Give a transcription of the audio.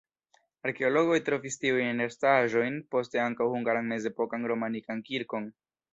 Arkeologoj trovis tiujn restaĵojn, poste ankaŭ hungaran mezepokan romanikan kirkon.